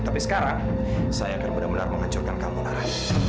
tapi sekarang saya akan benar benar menghancurkan kamu darah